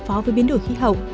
so với biến đổi khí hậu